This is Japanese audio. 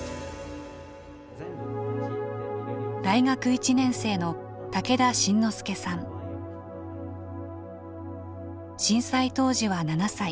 大学１年生の震災当時は７歳。